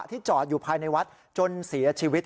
จอดอยู่ภายในวัดจนเสียชีวิต